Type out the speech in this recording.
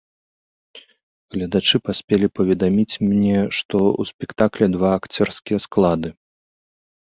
Гледачы паспелі паведаміць мне, што ў спектакля два акцёрскія склады.